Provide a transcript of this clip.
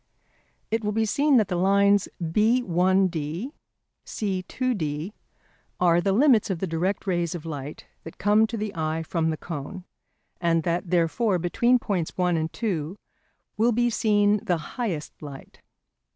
It will be seen that the lines B1D, C2D are the limits of the direct rays of light that come to the eye from the cone, and that therefore between points 1 and 2 will be seen the highest light.